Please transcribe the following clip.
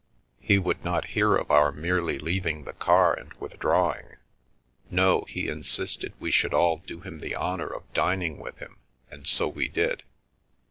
He would not hear of our merely leaving the car and withdrawing; no, he insisted we should all do him the honour of dining with him, and so we did.